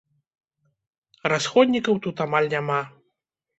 Расходнікаў тут амаль няма.